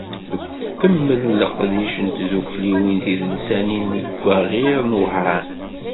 Deg ukemmel n leqdic n tdukkliwin tidelsanin deg waɣir n Wehran.